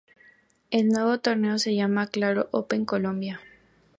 El nuevo torneo se llama Claro Open Colombia.